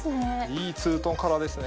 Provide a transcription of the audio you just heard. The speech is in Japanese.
いいツートンカラーですね。